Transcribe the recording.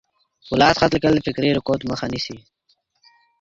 په لاس خط لیکل د فکري رکود مخه نیسي.